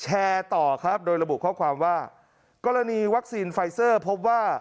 แชร์ต่อครับโดยระบุข้อความว่ากรณีวัคซีนไฟเซอร์พบว่า